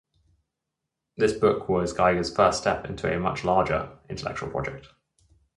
This book was Geiger's first step in a much larger intellectual project.